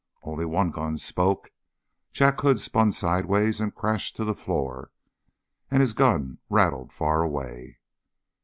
Only one gun spoke. Jack Hood spun sidewise and crashed to the floor, and his gun rattled far away.